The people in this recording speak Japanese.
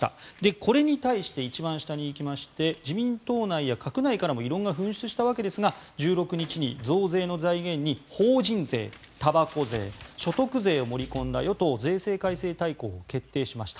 これに対して一番下に行きまして自民党内や閣内からも異論が噴出したわけですが１６日に増税の財源に法人税たばこ税、所得税を盛り込んだ与党税制改正大綱が決定しました。